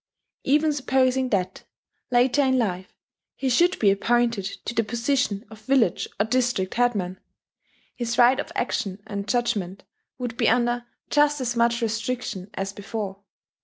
Even supposing that, later in life, he should be appointed to the position of village or district headman, his right of action and judgment would be under just as much restriction as before.